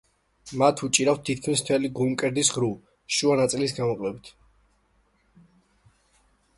მათ უჭირავთ თითქმის მთელი გულმკერდის ღრუ, შუა ნაწილის გამოკლებით.